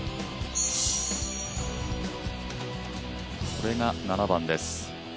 これが７番です。